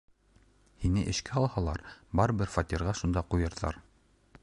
Һине эшкә алһалар, барыбер фатирға шунда ҡуйырҙар.